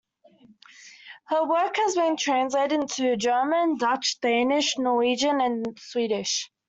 Her work has been translated into German, Dutch, Danish, Norwegian and Swedish.